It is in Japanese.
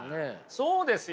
そうですよ。